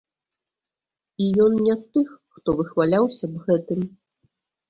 І ён не з тых, хто выхваляўся б гэтым.